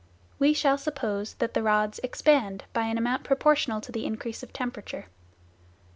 We shall suppose that the rods " expand " by in amount proportional to the increase of temperature.